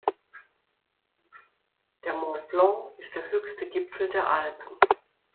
Der Mont Blanc ist der höchste Gipfel der Alpen.